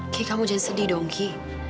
ki kamu jadi sedih dong ki